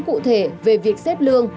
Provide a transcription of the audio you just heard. cụ thể về việc xếp lương